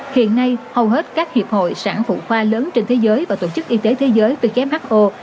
hiện nay hầu hết các hiệp hội sản phụ khoa lớn trên thế giới và tổ chức y tế thế giới who